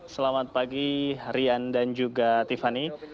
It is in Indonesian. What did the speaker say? selamat pagi rian dan juga tiffany